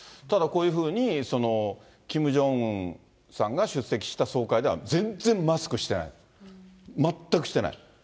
ただこういうふうに、キム・ジョンウンさんが出席した総会では、全然マスクしてない、全くしてない。